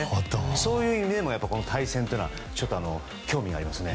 そういう意味でもこの対戦は興味がありますよね。